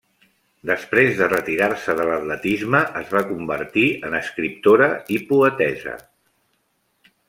Després de retirar-se de l'atletisme es va convertir en escriptora i poetessa.